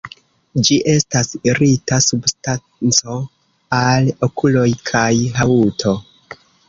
Ĝi estas irita substanco al okuloj kaj haŭto.